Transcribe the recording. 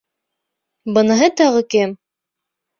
Быныһы тағы кем?